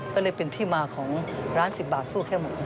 ก็เลยเป็นที่มาของร้าน๑๐บาทสู้แค่หมู